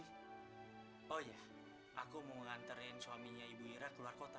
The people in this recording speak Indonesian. oh iya aku mau nganterin suaminya ibu ira keluar kota